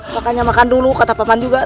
makanya makan dulu kata papan juga